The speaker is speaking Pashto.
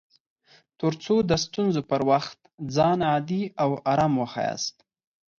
تر څو د ستونزو پر وخت ځان عادي او ارام وښياست